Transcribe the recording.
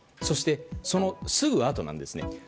そしてそのすぐあとなんですね。